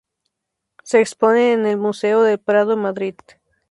Se expone en el Museo del Prado, Madrid.